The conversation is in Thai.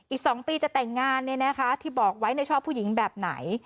อีกสองปีจะแต่งงานเนี่ยนะคะที่บอกไว้ในช่องผู้หญิงแบบไหน